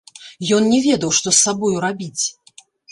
Ён не ведаў, што з сабою рабіць.